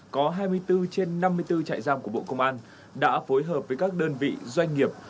có hai mươi bốn trên năm mươi bốn trại giam của bộ công an đã phối hợp với các đơn vị doanh nghiệp